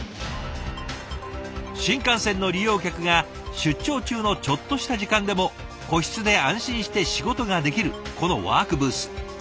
新幹線の利用客が出張中のちょっとした時間でも個室で安心して仕事ができるこのワークブース。